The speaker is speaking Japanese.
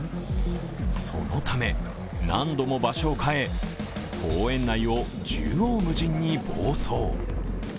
そのため何度も場所を変え公園内を縦横無尽に暴走。